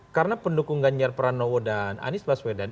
karena pendukung ganjar pranowo dan anies baswedan